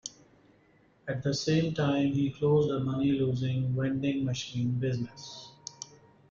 At the same time, he closed a money-losing vending-machine business.